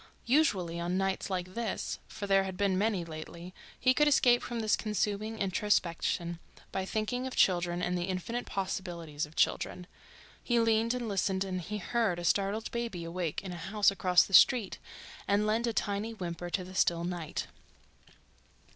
Usually, on nights like this, for there had been many lately, he could escape from this consuming introspection by thinking of children and the infinite possibilities of children—he leaned and listened and he heard a startled baby awake in a house across the street and lend a tiny whimper to the still night.